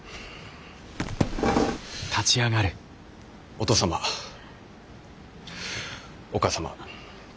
お父様お母様。